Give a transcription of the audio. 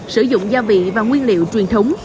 sử dụng gia vị và nguyên liệu truyền thống